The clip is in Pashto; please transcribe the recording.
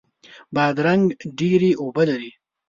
بادرنګ ډیرې اوبه لري.